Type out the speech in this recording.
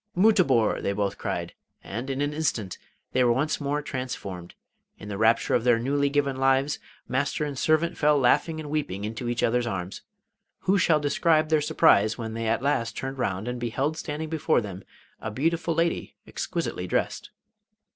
'Mutabor!' they both cried, and in an instant they were once more transformed. In the rapture of their newly given lives master and servant fell laughing and weeping into each other's arms. Who shall describe their surprise when they at last turned round and beheld standing before them a beautiful lady exquisitely dressed!